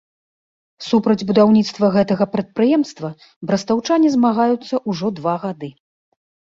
Супраць будаўніцтва гэтага прадпрыемства брастаўчане змагаюцца ўжо два гады.